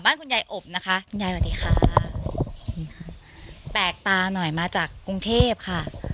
บ้านคุณยายอบนะคะคุณยายสวัสดีค่ะแปลกตาหน่อยมาจากกรุงเทพค่ะ